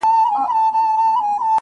• که په دې تعمیر کي هم عدالت نه وي -